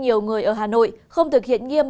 nhiều người ở hà nội không thực hiện nghiêm